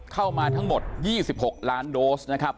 เข้ามาทั้งหมด๒๖ล้านโดสนะครับ